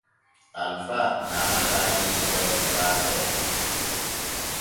Alfa nyaamataa nyiiri gawri baa seɗɗa.